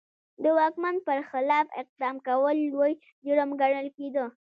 د واکمن پر خلاف اقدام کول لوی جرم ګڼل کېده.